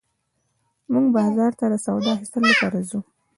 موږ بازار ته د سودا اخيستلو لپاره ځو